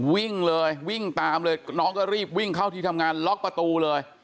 วิ่งเลยวิ่งตามเลยน้องก็รีบวิ่งเข้าที่ทำงานล็อกประตูเลย